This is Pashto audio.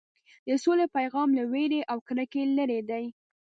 د سولې پیغام له وېرې او کرکې لرې دی.